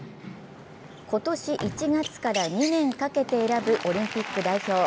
今年１月から２年かけて選ぶオリンピック代表。